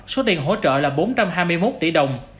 số tiền hỗ trợ là bốn trăm hai mươi một tỷ đồng